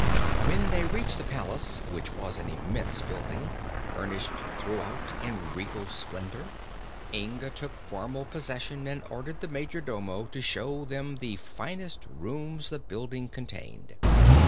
When they reached the palace, which was an immense building, furnished throughout in regal splendor, Inga took formal possession and ordered the majordomo to show them the finest rooms the building contained.